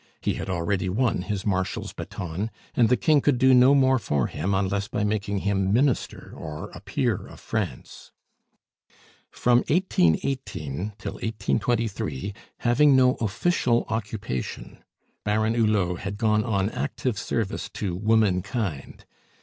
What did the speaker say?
He had already won his Marshal's baton, and the King could do no more for him unless by making him minister or a peer of France. From 1818 till 1823, having no official occupation, Baron Hulot had gone on active service to womankind.